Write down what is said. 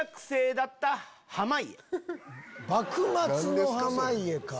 幕末の濱家か。